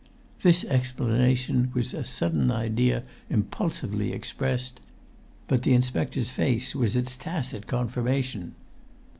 This explanation was a sudden idea impulsively expressed; but the inspector's face was its tacit confirmation.